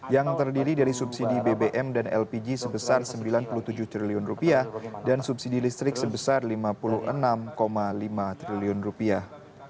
yang terdiri dari subsidi bbm dan lpg sebesar sembilan puluh tujuh triliun rupiah dan subsidi listrik sebesar lima puluh enam lima triliun rupiah